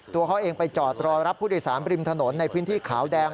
ตัวเขาเองไปจอดรอรับผู้โดยสารบริมถนนในพื้นที่ขาวแดง